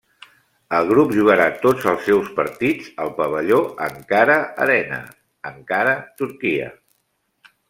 El grup jugarà tots els seus partits al pavelló Ankara Arena, Ankara, Turquia.